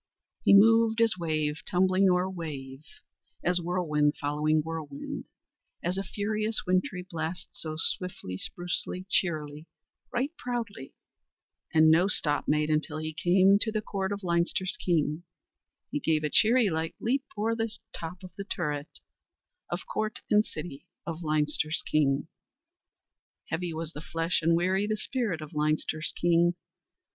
"He moved as wave tumbling o'er wave As whirlwind following whirlwind, As a furious wintry blast, So swiftly, sprucely, cheerily, Right proudly, And no stop made Until he came To the court of Leinster's King, He gave a cheery light leap O'er top of turret, Of court and city Of Leinster's King." Heavy was the flesh and weary the spirit of Leinster's king.